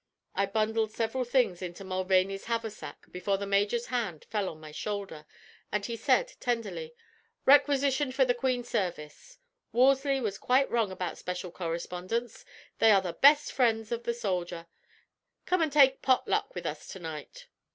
I bundled several things into Mulvaney's haversack before the major's hand fell on my shoulder, and he said, tenderly: "Requisitioned for the queen's service. Wolseley was quite wrong about special correspondents. They are the best friends of the soldier. Come an' take pot luck with us to night."